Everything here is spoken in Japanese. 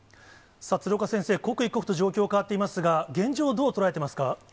鶴岡先生、刻一刻と状況、変わっていますが、現状をどう捉えていますか。